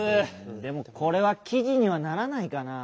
でもこれはきじにはならないかなぁ。